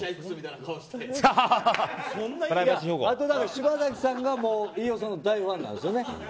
柴咲さんが飯尾さんの大ファンなんですよね。